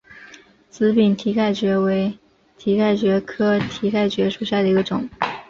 紫柄蹄盖蕨为蹄盖蕨科蹄盖蕨属下的一个种。